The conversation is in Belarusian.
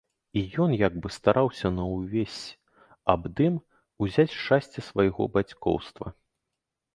І ён як бы стараўся на ўвесь абдым узяць шчасце свайго бацькоўства.